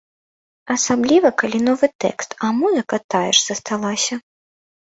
Асабліва, калі новы тэкст, а музыка тая ж засталася.